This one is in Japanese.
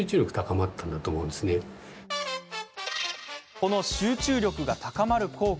この集中力が高まる効果